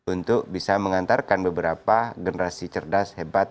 untuk bisa mengantarkan beberapa generasi cerdas hebat